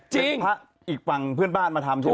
พระอีกฝั่งเพื่อนบ้านมาทำใช่ไหม